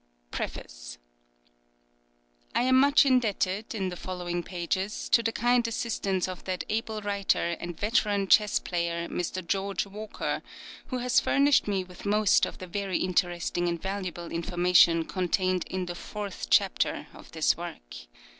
PREFACE. I am much indebted, in the following pages, to the kind assistance of that able writer and veteran chess player, Mr. George Walker, who has furnished me with most of the very interesting and valuable information contained in the fourth chapter of this work.